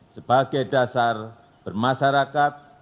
sebagai dasar bermasyarakat